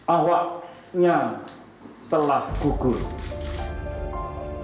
awapnya telah kukur